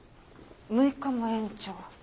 ６日も延長。